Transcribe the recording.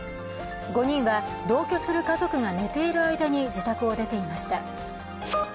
５人は同居する家族が寝ている間に自宅を出ていました。